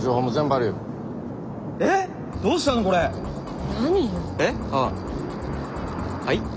あっはい？